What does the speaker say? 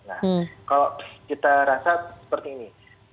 nah kalau kita rasa seperti ini